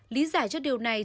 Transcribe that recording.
lý giải cho điều này